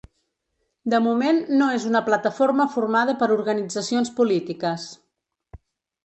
De moment no és una plataforma formada per organitzacions polítiques.